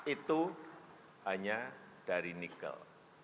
itu hanya dari nikel